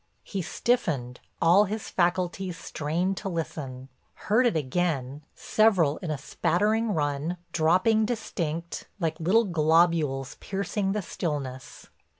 He stiffened, all his faculties strained to listen, heard it again, several in a spattering run, dropping distinct, like little globules piercing the stillness.